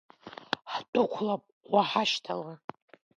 Ҳдәықәлап, уҳашьҭала!